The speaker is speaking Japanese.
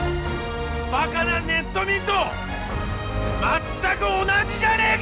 バカなネット民と全く同じじゃねえか！